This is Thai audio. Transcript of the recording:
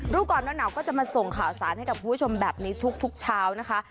รู้ก่อนร้อนหนาวก็จะมาส่งข่าวสารให้กับคุณผู้ชมแบบนี้ทุกเช้านะคะ